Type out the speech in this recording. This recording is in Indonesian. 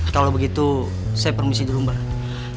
kalau begitu saya permisi dulu mbak